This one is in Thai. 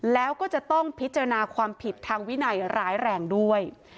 แล้วก็จะต้องพิจารณาความผิดทางวินัยร้ายแรงด้วย